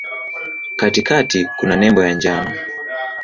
Katikati kuna nembo ya njano.